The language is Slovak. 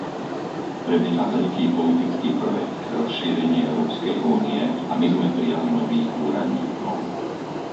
Prebieha veľký politický projekt, rozšírenie Európskej únie, a my sme prijali nových úradníkov.